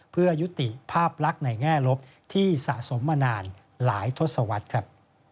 เพื่อยุติภาพลักษณ์ในแง่ลบที่สะสมมานานหลายทศวรรษครับ